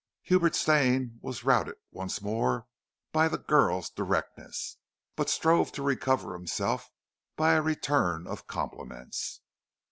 Hubert Stane was routed once more by the girl's directness, but strove to recover himself by a return of compliments.